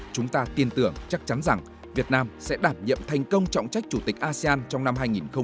chúng ta tin tưởng chắc chắn rằng việt nam sẽ đảm nhiệm thành công trọng trách chủ tịch asean trong năm hai nghìn hai mươi